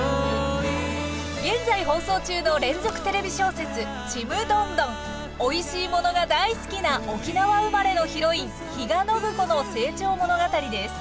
現在放送中の連続テレビ小説おいしいものが大好きな沖縄生まれのヒロイン比嘉暢子の成長物語です。